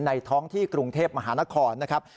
ท้องที่กรุงเทพมหานครนะครับ